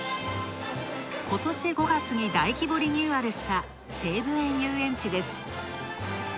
今年５月に大規模リニューアルした西武園ゆうえんちです。